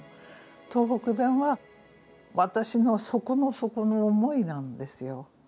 東北弁は私の底の底の思いなんですよ。